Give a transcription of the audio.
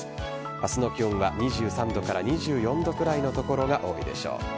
明日の気温は２３度から２４度くらいの所が多いでしょう。